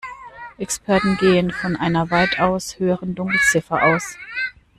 Experten gehen von einer weitaus höheren Dunkelziffer aus.